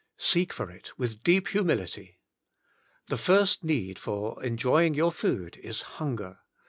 Seek for it with deep humility. The first need for enjoying your food is hunger.